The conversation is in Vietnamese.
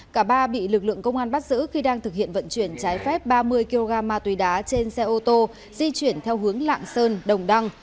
cả ba bị lực lượng công an bắt giữ khi đang thực hiện vận chuyển trái phép ba mươi kg ma túy đá trên xe ô tô di chuyển theo hướng lạng sơn đồng đăng